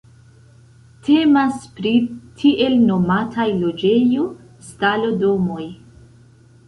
Temas pri tiel nomataj loĝejo-stalo-domoj.